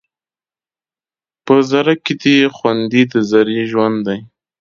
په ذره کې دې خوندي د ذرې ژوند دی